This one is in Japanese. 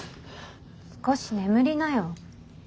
少し眠りなよ。